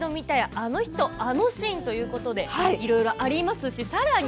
あの人あのシーン」ということでいろいろありますしさらに